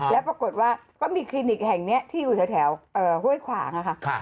แล้วปรากฏว่าก็มีคลินิกแห่งนี้ที่อยู่แถวห้วยขวางค่ะ